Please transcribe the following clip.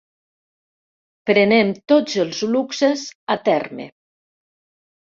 Prenem tots els luxes a terme.